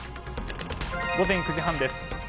午前９時半です。